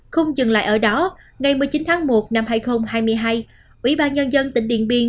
không dừng lại ở đó ngày một mươi chín tháng một năm hai nghìn hai mươi hai ủy ban nhân dân tỉnh điện biên